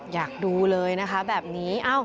อยากดูเลยนะคะแบบนี้